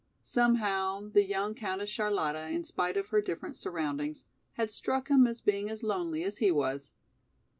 Somehow the young Countess Charlotta in spite of her different surroundings, had struck him as being as lonely as he was.